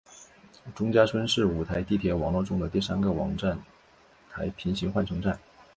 钟家村是武汉地铁网络中第三个同站台平行换乘站。